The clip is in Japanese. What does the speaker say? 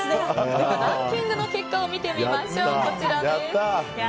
ランキングの結果を見てみましょう。